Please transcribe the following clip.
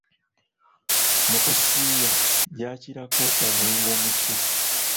Mu kusiiya gyakirako omwenge omusu.